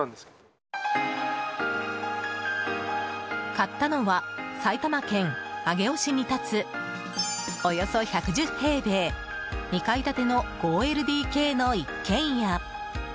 買ったのは埼玉県上尾市に建つおよそ１１０平米２階建ての５ＬＤＫの一軒家。